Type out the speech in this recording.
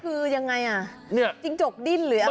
ที่ดิ้นนี่คือยังไงจิ้งจกดิ้นหรืออะไร